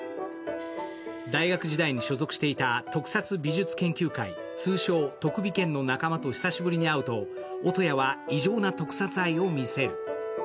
大学時代に所属していた特撮美術研究会、通称・特美研の仲間と久しぶりに会うと、二矢は異常な特撮愛を見せる。